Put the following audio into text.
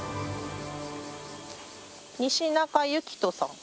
西中千人さん。